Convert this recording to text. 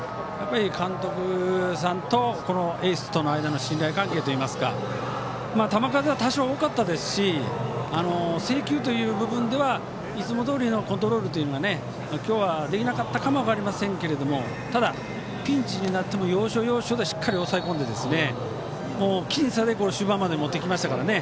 監督さんとエースとの間の信頼関係といいますか球数は多少、多かったですし制球という部分ではいつもどおりのコントロールは今日はできなかったかも分かりませんけどもただピンチになっても要所要所でしっかり抑え込んで僅差で終盤まで持ってきましたからね。